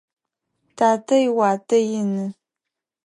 Татэ иуатэ ины.